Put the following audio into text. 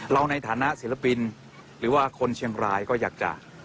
ในฐานะศิลปินหรือว่าคนเชียงรายก็อยากจะ